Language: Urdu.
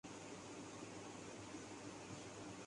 اللہ کے آخری رسول سیدنا